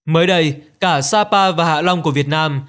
mới đây cả sapa và hạ long của việt nam